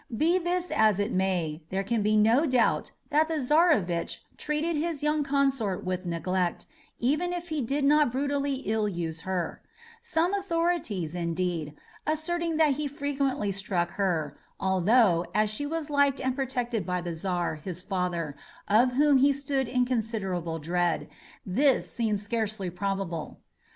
Be this as it may, there can be no doubt that the Czarovitch treated his youthful consort with neglect, even if he did not brutally ill use her; some authorities, indeed, asserting that he frequently struck her, although, as she was liked and protected by the Czar, his father, of whom he stood in considerable dread, this scarcely seems probable.